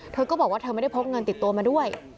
เธอก็บอกว่าเธอไม่ได้พกเงินติดตัวมาด้วย